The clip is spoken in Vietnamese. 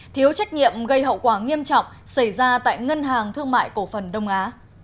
thiếu trách nhiệm gây hậu quả nghiêm trọng xảy ra tại ngân hàng thương mại cổ phần đông á